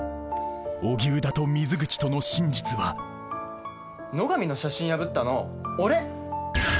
荻生田と水口との真実は野上の写真破ったの俺。